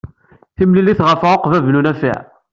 Timlilit ɣef ɛuqba Ibn Nafaɛ.